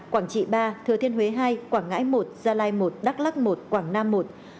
quảng trị ba thừa thiên huế hai quảng ngãi một gia lai một đắk lắc một quảng nam một